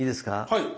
はい。